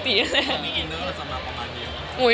อันนี้อินเนอร์ละสำหรับคำว่ามายเฉียม